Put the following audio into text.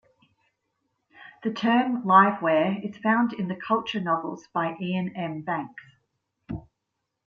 The term liveware is found in the "Culture" novels by Iain M. Banks.